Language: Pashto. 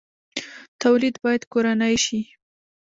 تولید باید کورنی شي